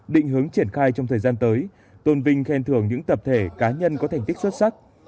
định hướng triển khai trong thời gian tới tôn vinh khen thưởng những tập thể cá nhân có thành tích xuất sắc